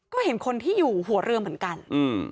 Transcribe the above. ก็เห็นคนที่อยู่หัวเรือเหมือนกัน